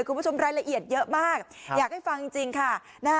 คุณผู้ชมรายละเอียดเยอะมากอยากให้ฟังจริงค่ะนะฮะ